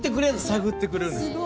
探ってくれるんです。